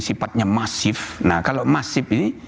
sifatnya masif nah kalau masif ini